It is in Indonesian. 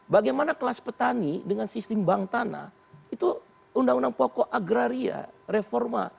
bagaimana kelas petani dengan sistem bank tanah itu undang undang pokok agraria reforma